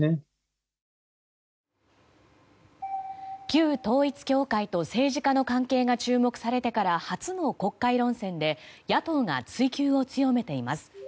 旧統一教会と政治家の関係が注目されてから初の国会論戦で野党が追及を強めています。